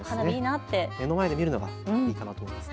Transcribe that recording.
目の前で見るのがいいかなと思います。